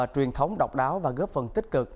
truyền thống độc đáo và góp phần tích cực